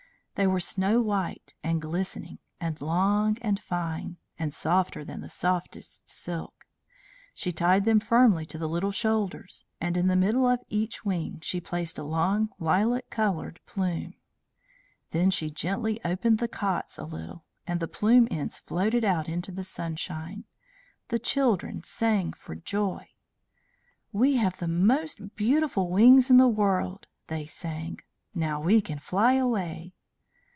They were snow white and glistening, and long and fine, and softer than the softest silk. She tied them firmly to the little shoulders, and in the middle of each wing she placed a long lilac coloured plume. Then she gently opened the cots a little, and the plume ends floated out into the sunshine. The children sang for joy. "We have the most beautiful wings in the world," they sang. "Now we can fly away."